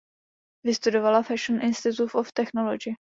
Vystudovala Fashion Institute of Technology.